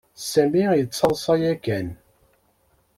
Sami yettaḍsa yakan.